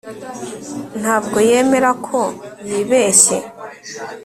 ntabwo yemera ko yibeshye